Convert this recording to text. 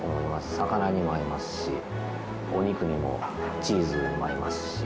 魚にも合いますしお肉にもチーズにも合いますし。